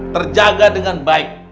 terjaga dengan baik